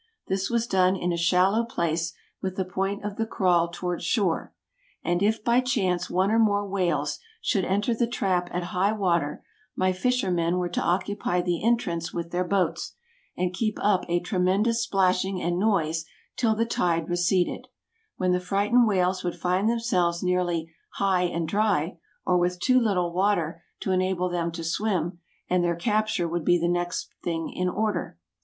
This was done in a shallow place, with the point of the kraal towards shore; and if by chance one or more whales should enter the trap at high water, my fishermen were to occupy the entrance with their boats, and keep up a tremendous splashing and noise till the tide receded, when the frightened whales would find themselves nearly "high and dry," or with too little water to enable them to swim, and their capture would be the next thing in order.